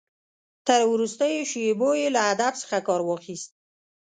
تر وروستیو شېبو یې له ادب څخه کار واخیست.